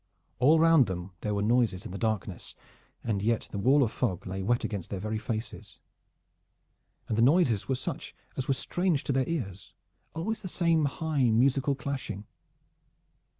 All round them there were noises in the darkness, and yet the wall of fog lay wet against their very faces. And the noises were such as were strange to their ears, always the same high musical clashing.